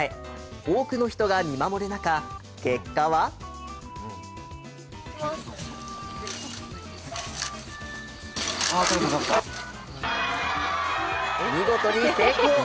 多くの人が見守る中結果は見事に成功！